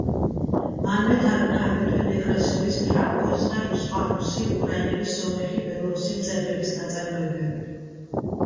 მანვე თარგმნა აგრეთვე ნეკრასოვის, ფრანკოს, და სხვა რუსი, უკრაინელი, სომეხი, ბელორუსი მწერლების ნაწარმოებები.